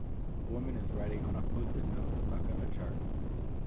A woman is writing on a postit note stuck on a chart.